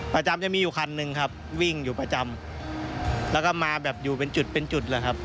ประจำจะมีอยู่คันหนึ่งครับวิ่งอยู่ประจำแล้วก็มาแบบอยู่เป็นจุดเป็นจุดเลยครับ